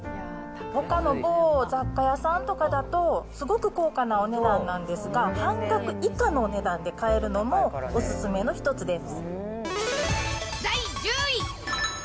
ほかの某雑貨屋さんとかだと、すごく高価なお値段なんですが、半額以下のお値段で買えるのも、お勧めの一つです。